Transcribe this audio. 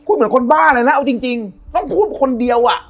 พูดเหมือนคนบ้าเลยนะเอาจริงพูดคนเดียวอะ